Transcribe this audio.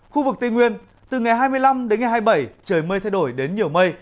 khu vực tây nguyên từ ngày hai mươi năm đến ngày hai mươi bảy trời mây thay đổi đến nhiều mây